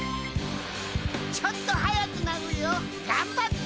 ちょっと速くなるよ。頑張って。